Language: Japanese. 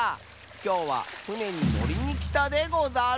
きょうはふねにのりにきたでござる。